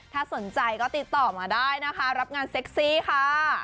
ถ้าสนใจก็ติดต่อมาได้นะคะรับงานเซ็กซี่ค่ะ